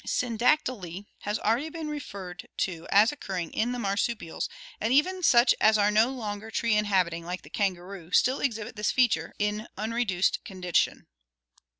Syndactyly (Gr. ovv9 together, and 8a*Tt/\os, digit) has al ready been referred to as occurring in the marsupials, and even such as are no longer tree inhabiting, like the kangaroo, still ex hibit this feature in unreduced condition.